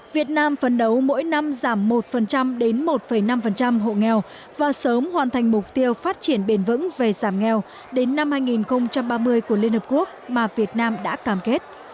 việt nam phấn đấu mỗi năm giảm một đến một năm hộ nghèo và sớm hoàn thành mục tiêu phát triển bền vững về giảm nghèo đến năm hai nghìn ba mươi của liên hợp quốc mà việt nam đã cam kết